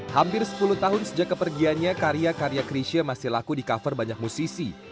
hampir sepuluh tahun sejak kepergiannya karya karya krisha masih laku di cover banyak musisi